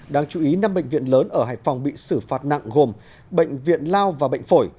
đáng chú ý năm bệnh viện lớn ở hải phòng bị xử phạt nặng gồm bệnh viện lao và bệnh phổi